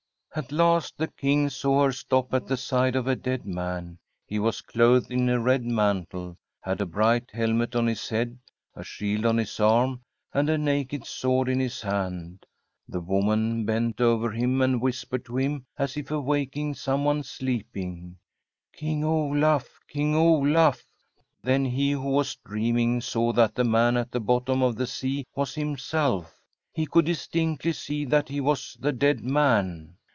At last the King saw her stop at the side of a dead man. He was clothed in a red mantle, had a bright helmet on his head, a shield on his arm, and a naked sword in his hand. The woman bent over him and whispered to him, as if awaking someone sleeping: From a SfFEDISH HOMESTEAD 'King Olaf! King OlafP Then he who was dreaming saw that the man at the bottom of the sea was himself. He could distinctly see that he was the dead man.